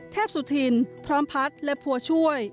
เทพสุธินพร้อมพัฒน์และผัวช่วย